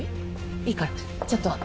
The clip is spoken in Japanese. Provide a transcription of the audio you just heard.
いいからちょっと。